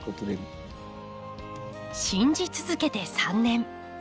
信じ続けて３年。